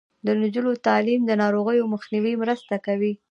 د نجونو تعلیم د ناروغیو مخنیوي مرسته کوي.